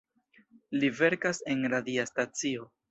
Li verkas en radia stacio.